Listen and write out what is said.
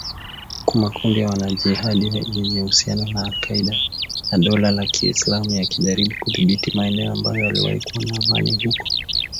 Huku makundi ya wanajihadi yenye uhusiano na al Qaeda na Dola la ki islamu yakijaribu kudhibiti maeneo ambayo yaliwahi kuwa na amani huko